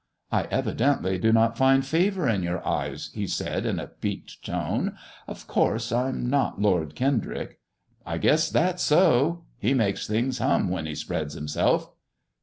" I evidently do not find favour in your eyes," he said, in a piqued tone. " Of course, Tm not Lord Kendrick." I guess that's so I He makes things hum when he spreads himself."